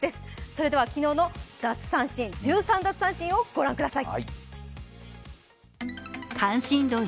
それでは昨日の１３奪三振を御覧ください。